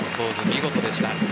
見事でした。